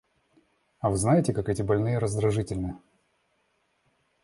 А вы знаете, как эти больные раздражительны.